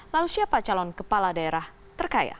lalu siapa calon kepala daerah terkaya